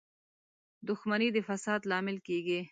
• دښمني د فساد لامل کېږي.